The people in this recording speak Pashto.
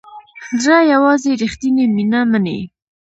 زړه یوازې ریښتیني مینه مني.